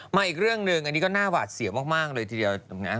อีกเรื่องหนึ่งอันนี้ก็น่าหวาดเสียวมากเลยทีเดียวนะ